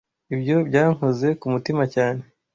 Ibyo byankoze ku mutima cyane.